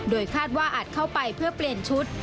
โดยคาดว่าอาจเข้าไปเพื่อเปลี่ยนชุด